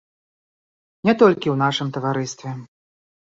Не толькі ў нашым таварыстве.